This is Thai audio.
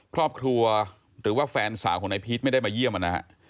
ครอบครัวหรือว่าแฟนสาวของนายพีชไม่ได้มาเยี่ยมนะฮะ